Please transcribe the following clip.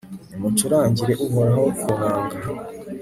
nimucurangire uhoraho ku nanga